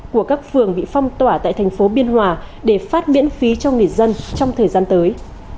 của các phường bị phong tỏa tại thành phố biên hòa để phát miễn phí cho người dân trong thời gian tới